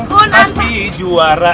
kun anta pasti juara